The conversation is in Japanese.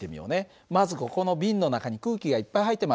まずここのビンの中に空気がいっぱい入ってます。